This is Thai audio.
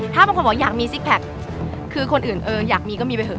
ถ้าบางคนบอกอยากมีซิกแพคคือคนอื่นเอออยากมีก็มีไปเถ